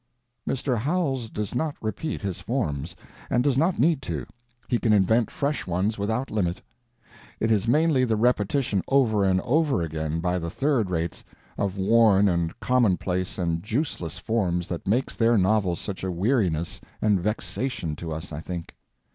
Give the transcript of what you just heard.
Mr. Howells does not repeat his forms, and does not need to; he can invent fresh ones without limit. It is mainly the repetition over and over again, by the third rates, of worn and commonplace and juiceless forms that makes their novels such a weariness and vexation to us, I think.